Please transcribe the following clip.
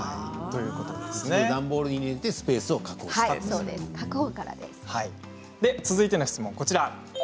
段ボールなどに入れてスペースを続いての質問です。